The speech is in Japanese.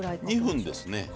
２分ですね。